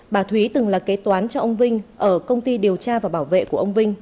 bà thúy từng là kế toán cho ông vinh ở công ty điều tra và bảo vệ của ông vinh